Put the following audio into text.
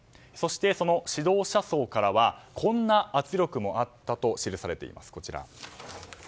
そして、指導者層からはこんな圧力もあったと記されています。